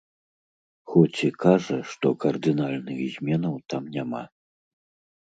Хоць і кажа, што кардынальных зменаў там няма.